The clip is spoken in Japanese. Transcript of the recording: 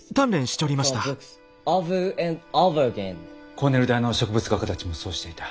コーネル大の植物画家たちもそうしていた。